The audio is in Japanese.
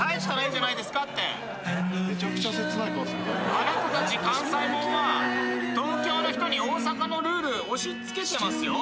あなたたち関西もんは東京の人に大阪のルール押し付けてますよ。